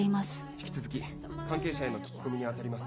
引き続き関係者への聞き込みに当たります。